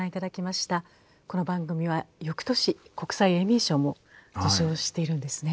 この番組は翌年国際エミー賞も受賞しているんですね。